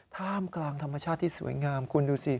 ท่ามกลางธรรมชาติที่สวยงามคุณดูสิ